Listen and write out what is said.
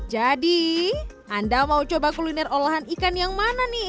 jadi anda mau coba kuliner olahan ikan yang mana nih